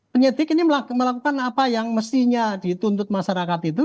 penyidik ini melakukan apa yang mestinya dituntut masyarakat itu